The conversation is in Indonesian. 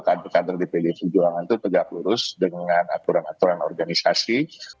kader kader di pd perjuangan itu tegak lurus dengan aturan aturan organisasi